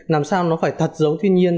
làm sao nó phải thật giống thiên nhiên